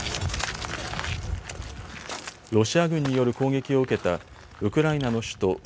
ロシア軍による攻撃を受けたウクライナの首都